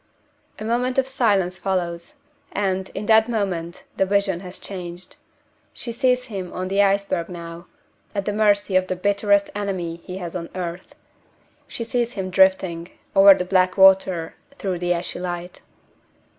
A moment of silence follows; and, in that moment, the vision has changed. She sees him on the iceberg now, at the mercy of the bitterest enemy he has on earth. She sees him drifting over the black water, through the ashy light.